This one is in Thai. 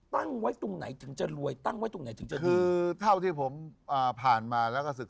คิกคิกคิกคิกคิกคิกคิกคิกคิกคิกคิกคิก